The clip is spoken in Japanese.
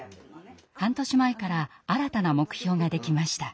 半年前から新たな目標ができました。